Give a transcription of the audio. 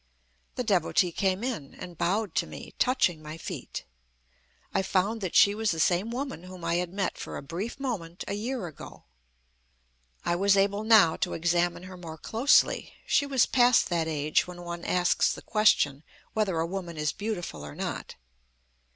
The Devotee came in, and bowed to me, touching my feet. I found that she was the same woman whom I had met, for a brief moment, a year ago. I was able now to examine her more closely. She was past that age when one asks the question whether a woman is beautiful or not.